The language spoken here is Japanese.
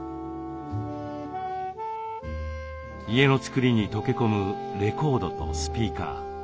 家の造りに溶け込むレコードとスピーカー。